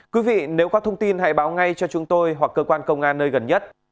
quý vị nếu có thông tin hãy báo ngay cho chúng tôi hoặc cơ quan công an nơi gần nhất